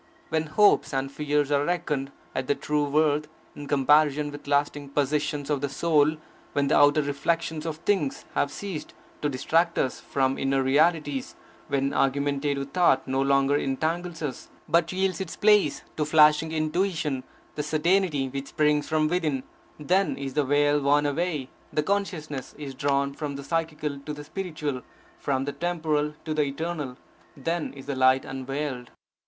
When hopes and fears are reckoned at their true worth, in comparison with lasting possessions of the Soul; when the outer reflections of things have ceased to distract us from inner realities; when argumentative thought no longer entangles us, but yields its place to flashing intuition, the certainty which springs from within; then is the veil worn away, the consciousness is drawn from the psychical to the spiritual, from the temporal to the Eternal. Then is the light unveiled.